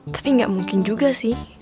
tapi nggak mungkin juga sih